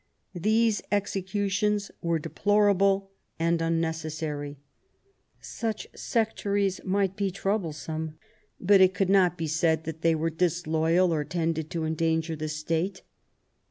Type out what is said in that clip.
These, executions were deplorable and, unnecessary. Such sectaries might be troublesome, but it could not be said that they were disloyal, or tended to endanger the State.